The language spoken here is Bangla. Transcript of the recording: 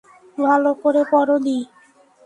ভালো করে পড়ো নি?